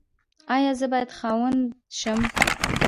ایا زه باید خاوند شم؟